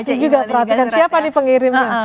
hati hati juga perhatikan siapa di pengirimnya